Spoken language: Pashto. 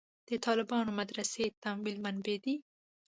د طالبانو مدرسې تمویل منبعې دي.